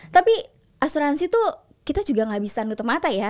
tapi asuransi tuh kita juga gak bisa nutup mata ya